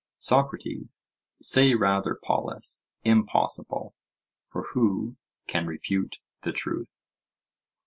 SOCRATES: Say rather, Polus, impossible; for who can refute the truth?